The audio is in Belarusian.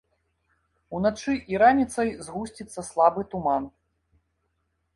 Уначы і раніцай згусціцца слабы туман.